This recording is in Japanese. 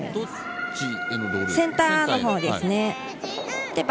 センターのほうにロールです。